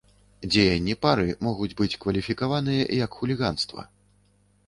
Дзеянні пары могуць быць кваліфікаваныя як хуліганства.